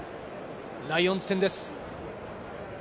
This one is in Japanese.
ライオンズ戦です。